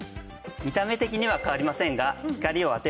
見た目的には変わりませんが。